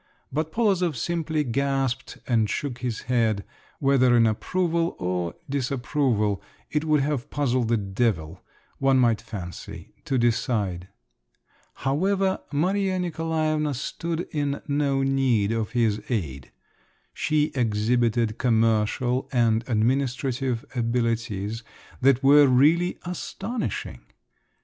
But Polozov simply gasped and shook his head, whether in approval or disapproval, it would have puzzled the devil, one might fancy, to decide. However, Maria Nikolaevna stood in no need of his aid. She exhibited commercial and administrative abilities that were really astonishing!